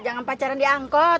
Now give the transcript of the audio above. jangan pacaran diangkut